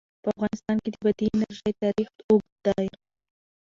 په افغانستان کې د بادي انرژي تاریخ اوږد دی.